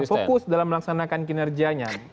fokus dalam melaksanakan kinerjanya